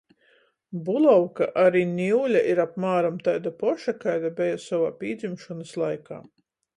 Bulavka ari niule ir apmāram taida poša, kaida beja sovā pīdzimšonys laikā.